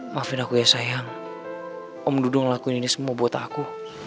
maafin aku ya sayang om dudo ngelakuin ini semua buat aku